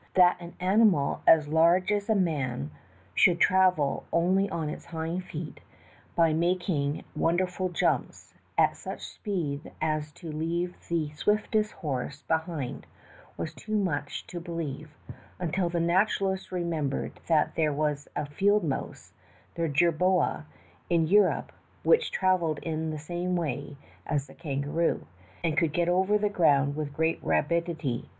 That an animal as large as a man should travel only on its hind feet by making wonderful jumps, at such a speed as to leave the swiftest horse behind, was too much to believe, until the naturalists remembered that there was a field mouse, the jerboa, in Europe, which traveled in the same way as the kangaroo, and could get over the ground with great rapid ity.